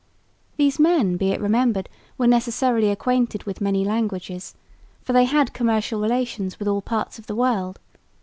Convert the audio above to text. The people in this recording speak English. These men, be it remembered, were necessarily acquainted with many languages, for they had commercial relations with all parts of the world.